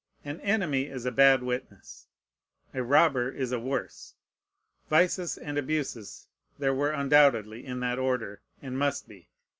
An enemy is a bad witness; a robber is a worse. Vices and abuses there were undoubtedly in that order, and must be.